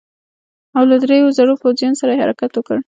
او له دریو زرو پوځیانو سره یې حرکت وکړ.